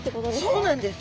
そうなんです。